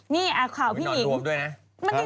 นี่ข่าวพี่หนิง